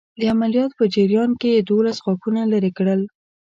د عملیات په جریان کې یې دوولس غاښه لرې کړل.